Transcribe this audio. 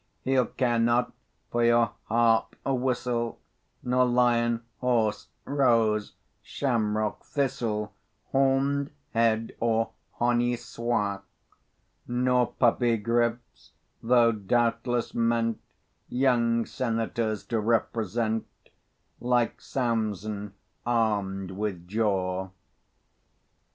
He'll care not for your harp a whistle, Nor lion, horse, rose, shamrock, thistle, Horn'd head, or Honi soit; Nor puppy griffs, though doubtless meant Young senators to represent, Like Samson, armed with jaw.